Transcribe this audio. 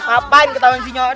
gapain ketawain sinyalnya